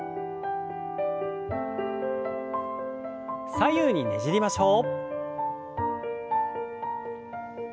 左右にねじりましょう。